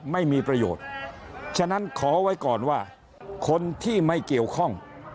ไม่มีประโยชน์ฉะนั้นขอไว้ก่อนว่าคนที่ไม่เกี่ยวข้อง